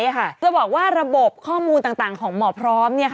จะบอกว่าระบบข้อมูลต่างของหมอพร้อม